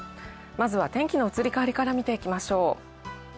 まずは天気の移り変わりから見ていきましょう。